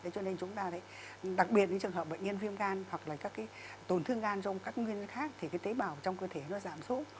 cho nên chúng ta đặc biệt trong trường hợp bệnh nhân viêm gan hoặc là các cái tổn thương gan trong các nguyên liệu khác thì cái tế bào trong cơ thể nó giảm số